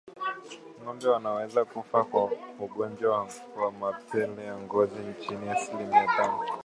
Ngombe wanaoweza kufa kwa ugonjwa wa mapele ya ngozi ni chini ya asilimia tano